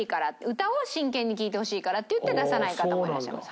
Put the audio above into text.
歌を真剣に聴いてほしいからっていって出さない方もいらっしゃいます。